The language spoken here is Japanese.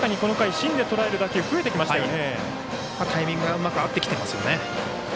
タイミングがうまく合ってきてますよね。